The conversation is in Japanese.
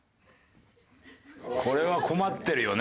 これは困ってるよね。